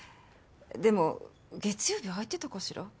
でも月曜日空いてたかしら？